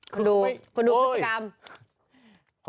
คุณดูคุณดูพฤติกรรม